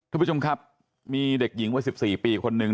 ทุกผู้ชมครับมีเด็กหญิงวัย๑๔ปีคนนึง